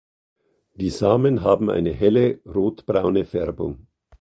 Die Samen haben eine helle rot-braune Färbung.